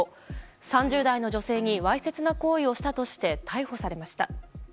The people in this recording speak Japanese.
３０代の女性にわいせつな行為をしたとして逮捕されました。